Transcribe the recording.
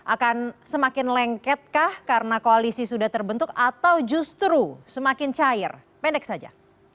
akan semakin lengket kah karena koalisi sudah terbentuk atau justru semakin cair pendek saja